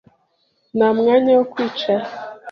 Nta mwanya wo kwicara.